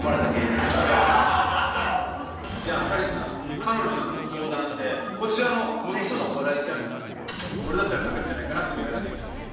じゃあ彼氏さん彼女さんと相談してこちらの６つのお笑いジャンルからこれだったら勝てるんじゃないかなっていうのを選んでいただいて。